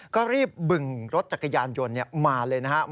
ก็รีบบึงรถจักรยานยนต์มาเลยนะครับ